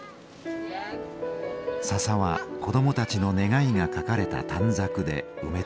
笹は子どもたちの願いが書かれた短冊で埋め尽くされます。